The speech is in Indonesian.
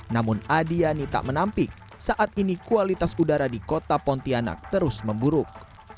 namun adiani tak menampik saat ini kualitas udara di kota pontianak terus memburuk